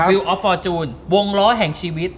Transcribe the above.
ออฟฟอร์จูนวงล้อแห่งชีวิต